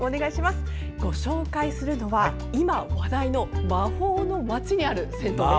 ご紹介するのは今話題の魔法の街にある銭湯です。